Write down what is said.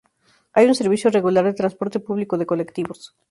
Hay un servicio regular de transporte público de colectivos.